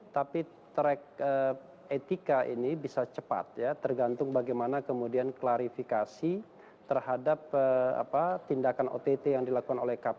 tapi track etika ini bisa cepat ya tergantung bagaimana kemudian klarifikasi terhadap tindakan ott yang dilakukan oleh kpk